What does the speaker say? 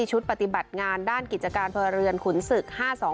ชุดปฏิบัติงานกิจการภรรยเรือนขุนศึก๕๒๔